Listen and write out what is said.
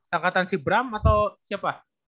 angkatan si bram atau siapa